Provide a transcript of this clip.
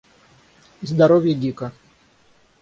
Здоровье гика